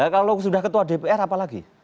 kalau sudah ketua dpr apalagi